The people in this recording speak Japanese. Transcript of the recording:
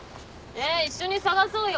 え一緒に探そうよ